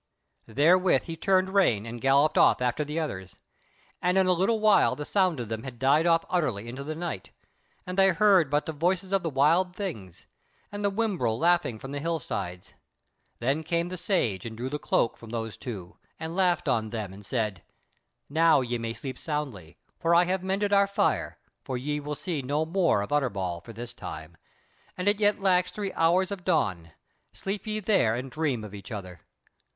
Therewith he turned rein and galloped off after the others, and in a little while the sound of them had died off utterly into the night, and they heard but the voices of the wild things, and the wimbrel laughing from the hill sides. Then came the Sage and drew the cloak from those two, and laughed on them and said: "Now may ye sleep soundly, when I have mended our fire; for ye will see no more of Utterbol for this time, and it yet lacks three hours of dawn: sleep ye then and dream of each other."